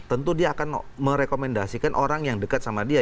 tentu dia akan merekomendasikan orang yang dekat sama dia